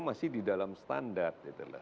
masih di dalam standar